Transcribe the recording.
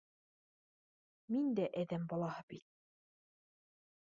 Мин дә әҙәм балаһы бит